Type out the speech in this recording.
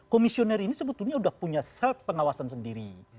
komisioner ini sebetulnya sudah punya self pengawasan sendiri